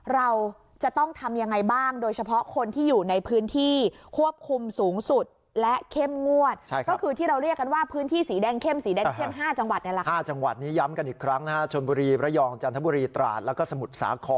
ห้าจังหวัดนี้ย้ำกันอีกครั้งชนบุรีประยองจันทบุรีตราสแล้วก็สมุทรสาขร